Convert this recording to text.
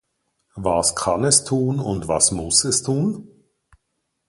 Was kann es tun, und was muss es tun?